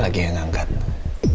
kalau dia curiga bisa gawat nih